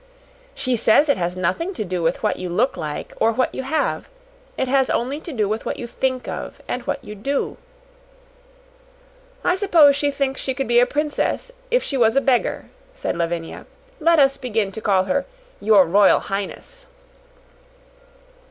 "She says it has nothing to do with what you look like, or what you have. It has only to do with what you THINK of, and what you DO." "I suppose she thinks she could be a princess if she was a beggar," said Lavinia. "Let us begin to call her Your Royal Highness."